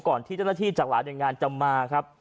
ที่เจ้าหน้าที่จากหลายหน่วยงานจะมาครับ